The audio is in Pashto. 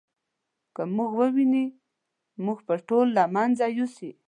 که موږ وویني موږ به ټول له منځه یوسي.